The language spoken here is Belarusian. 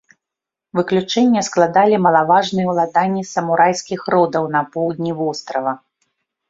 Выключэнне складалі малаважныя ўладанні самурайскіх родаў на поўдні вострава.